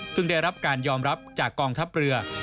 ซึ่งได้รับการยอมรับจากกองทัพเรือ